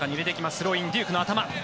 スローイン、デュークの頭。